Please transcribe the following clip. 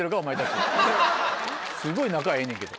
すごい仲ええねんけど。